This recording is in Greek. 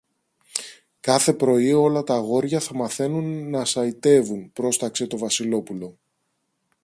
Κάθε πρωί όλα τ' αγόρια θα μαθαίνουν να σαϊτεύουν, πρόσταξε το Βασιλόπουλο.